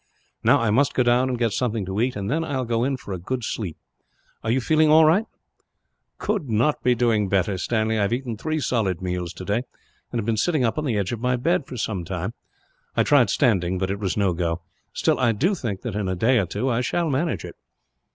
"Now, I must go down and get something to eat, and then I will go in for a good sleep. You are feeling all right, I hope?" "Could not be doing better, Stanley. I have eaten three solid meals, today; and have been sitting up on the edge of my bed, for some time. I tried standing, but it was no go; still, I do think that, in a day or two, I shall manage it."